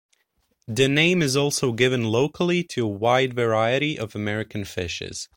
The name is also given locally to a wide variety of American fishes.